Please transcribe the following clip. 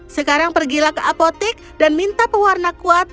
sekarang pergilah ke apotik dan minta pewarna kuat